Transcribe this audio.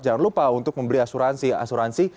jangan lupa untuk membeli asuransi asuransi